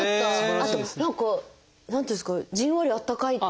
あと何か何ていうんですかじんわりあったかいっていうか。